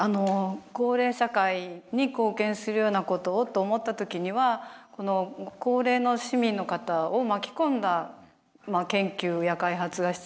高齢社会に貢献するようなことをと思った時には高齢の市民の方を巻き込んだ研究や開発が必要になってくる。